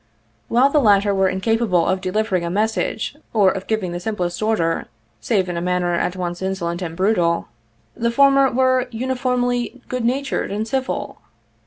While the latter were incapable of delivering a message or of giving the simplest order, save in a manner at once insolent and brutal, the former were uniformly 81 good natured and civil.